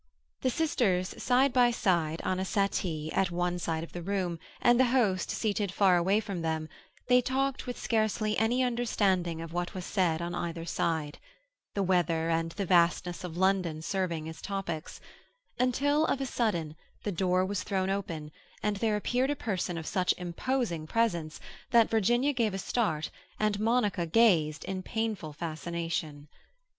The sisters side by side on a settee at one end of the room, and the host seated far away from them, they talked with scarcely any understanding of what was said on either side—the weather and the vastness of London serving as topics—until of a sudden the door was thrown open, and there appeared a person of such imposing presence that Virginia gave a start and Monica gazed in painful fascination.